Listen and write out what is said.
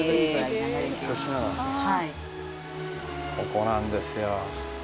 ここなんですよ。